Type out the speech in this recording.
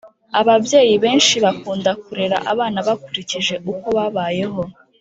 ababyeyi benshi bakunda kurera abana bakurikije uko babayeho